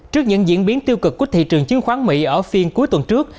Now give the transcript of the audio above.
trước những diễn biến tiêu cực của thị trường chứng khoán mỹ ở phiên cuối tuần trước